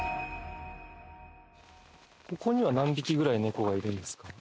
ここには何匹ぐらい猫がいるんですか？